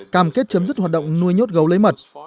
cam kết chấm dứt hoạt động nuôi nhốt gấu lấy mật